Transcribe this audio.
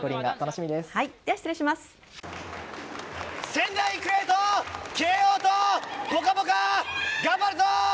仙台育英と慶応と「ぽかぽか」頑張るぞ！